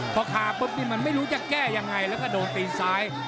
พอคาปุ๊บนี่มันไม่รู้จะแก้ยังไงแล้วก็โดนตีนซ้าย